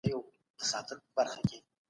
او شیبانیانو په هرات کي.